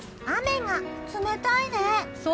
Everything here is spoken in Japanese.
雨が冷たいね。